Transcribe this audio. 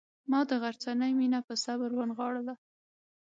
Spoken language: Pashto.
ما د غرڅنۍ مینه په صبر ونغاړله.